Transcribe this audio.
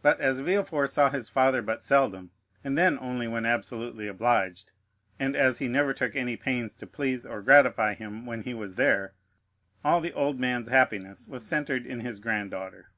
But as Villefort saw his father but seldom, and then only when absolutely obliged, and as he never took any pains to please or gratify him when he was there, all the old man's happiness was centred in his granddaughter.